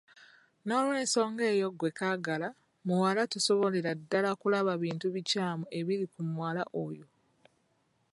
N'olwensonga eyo ggwe kaagala muwala tosobolera ddala kulaba bintu bikyamu ebiri ku muwala oyo.